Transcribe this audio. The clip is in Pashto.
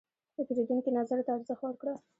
د پیرودونکي نظر ته ارزښت ورکړه.